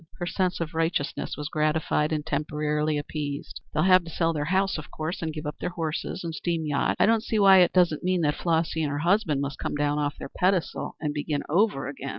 Her sense of righteousness was gratified and temporarily appeased. "They'll have to sell their house, of course, and give up their horses and steam yacht? I don't see why it doesn't mean that Flossy and her husband must come down off their pedestal and begin over again?